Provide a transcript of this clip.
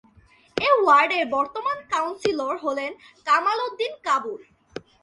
এ ওয়ার্ডের বর্তমান কাউন্সিলর হলেন কামাল উদ্দিন কাবুল।